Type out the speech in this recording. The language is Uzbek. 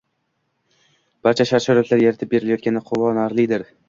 Barcha shart-sharoitlar yaratib berilayotganligi quvonarlidir